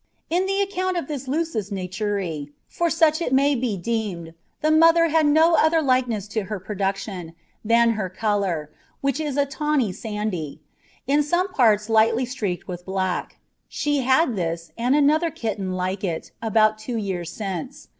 In the Account of this Lusus Naturæ, for such it may be deemed, the Mother had no other Likeness to her Production, than her Colour, which is a tawny Sandy, in some parts lightly streaked with black; She had this, and another Kitten like it, about two Years since.